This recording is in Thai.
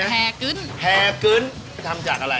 ธาแห่อะไรแห่คึ้นแห่คึ้นทำจากอะไร